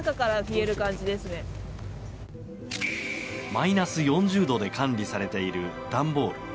マイナス４０度で管理されている段ボール。